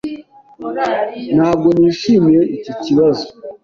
Ntabwo nishimiye iki kibazo.